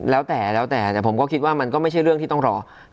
แล้วแต่อันนั้นผมต้องคิดว่ามันไม่ใช่เรื่องที่ต้องรอ